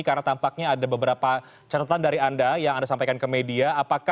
karena tampaknya ada beberapa catatan dari anda yang anda sampaikan ke media